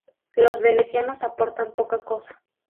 Los venecianos aportan poca cosa.